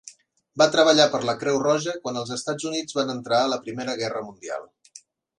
Va treballar per la Creu Roja quan els Estats Units van entrar a la Primera Guerra Mundial.